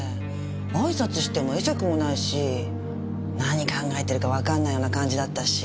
挨拶しても会釈もないし何考えてるかわかんないような感じだったし。